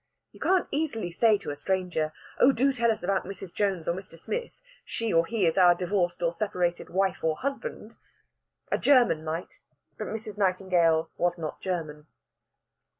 You can't easily say to a stranger: "Oh, do tell us about Mrs. Jones or Mr. Smith. She or he is our divorced or separated wife or husband." A German might, but Mrs. Nightingale was not a German.